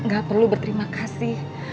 gak perlu berterima kasih